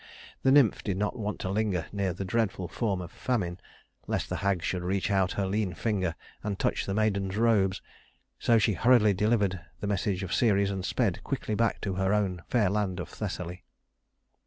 The nymph did not want to linger near the dreadful form of Famine, lest the hag should reach out her lean finger and touch the maiden's robes; so she hurriedly delivered the message of Ceres, and sped quickly back to her own fair land of Thessaly.